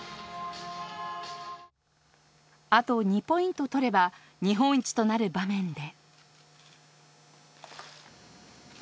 あと２ポイント取れば日本一となる場面で。